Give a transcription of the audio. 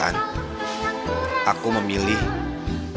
untuk membuat keputusan